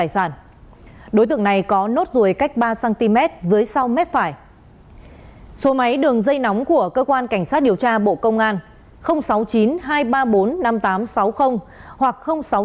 số máy đường dây nóng của cơ quan cảnh sát điều tra bộ công an sáu mươi chín hai trăm ba mươi bốn năm nghìn tám trăm sáu mươi hoặc sáu mươi chín hai trăm ba mươi hai một nghìn sáu trăm sáu mươi bảy